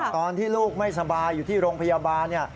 ตอนที่ลูกไม่สบายอยู่ที่โรงพยาบาล